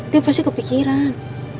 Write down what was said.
dia pasti kepikiran